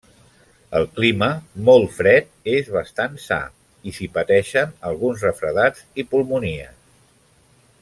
El clima, molt fred, és bastant sa, i s'hi pateixen alguns refredats i pulmonies.